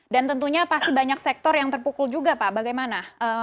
dan tentunya pasti banyak sektor yang terpukul juga pak bagaimana